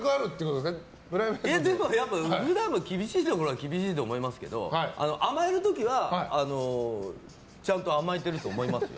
でもやっぱり普段も厳しいところは厳しいと思いますけど甘える時はちゃんと甘えていると思いますよ。